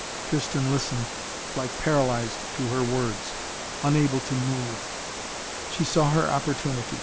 Tristan listened like paralyzed to her words, unable to move. She saw her opportunity.